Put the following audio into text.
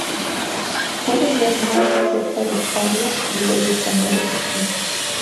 Puedes leer más acerca de Paria y los Españoles aquí.